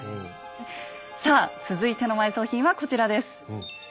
さあ続いての埋葬品はこちらです。